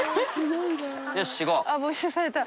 あっ没収された。